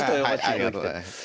ありがとうございます。